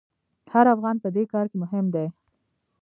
هر افغان په دې کار کې مهم دی.